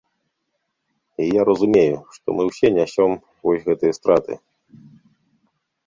І я разумею, што мы ўсе нясем вось гэтыя страты.